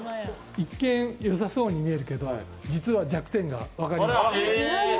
一見、良さそうに見えるけど実は弱点が分かりました。